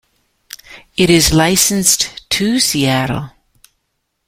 It is licensed to Seattle.